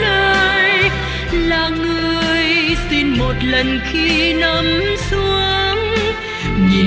hãy đăng ký kênh để ủng hộ kênh của mình nhé